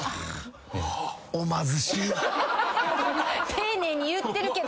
丁寧に言ってるけど！